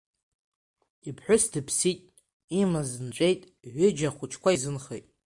Иԥҳәыс дыԥсит, имаз нҵәеит, ҩыџьа ахәыҷқәа изынхеит.